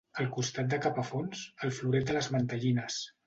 Al costat de Capafonts, el floret de les mantellines.